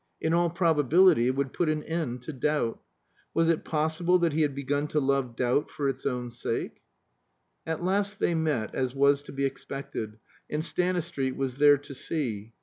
In all probability it would put an end to doubt. Was it possible that he had begun to love doubt for its own sake? At last they met, as was to be expected, and Stanistreet was there to see.